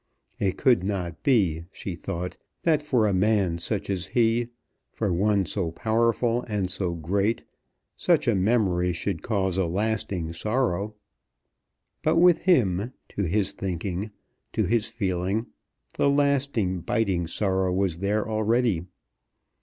It could not be, she thought, that for a man such as he, for one so powerful and so great, such a memory should cause a lasting sorrow. But with him, to his thinking, to his feeling, the lasting biting sorrow was there already.